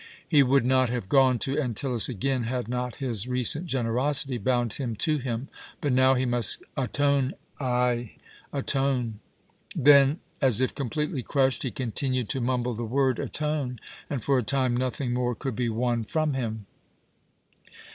He would not have gone to Antyllus again had not his recent generosity bound him to him, but now he must atone ay, atone. Then, as if completely crushed, he continued to mumble the word, "atone!" and for a time nothing more could be won from him.